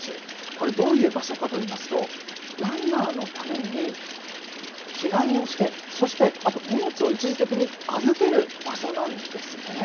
これ、どういう場所かといいますと、ランナーのために着替えをして、そしてあと荷物を一時的に預ける場所なんですね。